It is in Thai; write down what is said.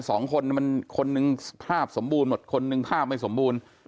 สองคนมันคนหนึ่งภาพสมบูรณ์หมดคนหนึ่งภาพไม่สมบูรณ์